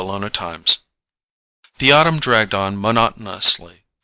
Chapter 10 The autumn dragged on monotonously.